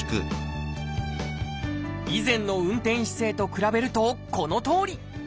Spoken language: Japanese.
以前の運転姿勢と比べるとこのとおり。